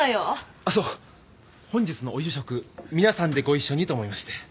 あっそう本日のお夕食皆さんでご一緒にと思いまして。